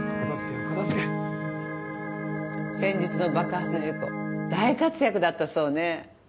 お片付け先日の爆発事故大活躍だったそうね